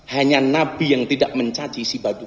hanya nabi yang tidak mencaci